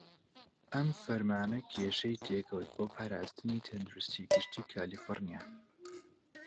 ئەم فەرمانە کێشەی تێکەوت بۆ پاراستنی تەندروستی گشتی کالیفۆڕنیا.